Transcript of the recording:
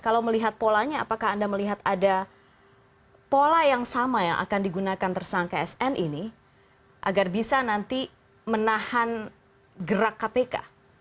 kalau melihat polanya apakah anda melihat ada pola yang sama yang akan digunakan tersangka sn ini agar bisa nanti menahan gerak kpk